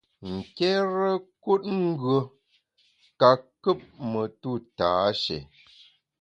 Nkérekut ngùe ka kùp metu tâshé.